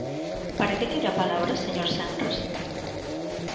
¿Para que quere a palabra, señor Senras?